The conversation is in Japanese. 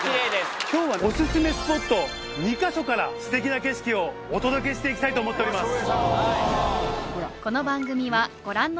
今日はオススメスポット２か所からステキな景色をお届けして行きたいと思っております。